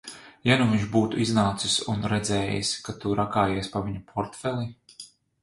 Ja nu viņš būtu iznācis un redzējis, ka tu rakājies pa viņa portfeli?